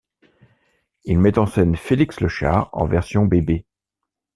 Il met en scène Félix le Chat en version bébé.